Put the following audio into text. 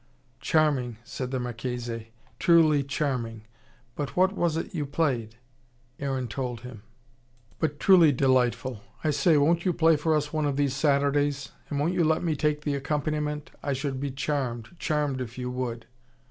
"Charming!" said the Marchese. "Truly charming! But what was it you played?" Aaron told him. "But truly delightful. I say, won't you play for us one of these Saturdays? And won't you let me take the accompaniment? I should be charmed, charmed if you would."